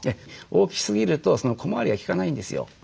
大きすぎると小回りが利かないんですよ。